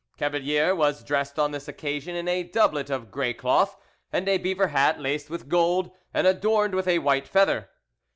Cavalier was dressed on this occasion in a doublet of grey cloth, and a beaver hat, laced with gold, and adorned with a white feather.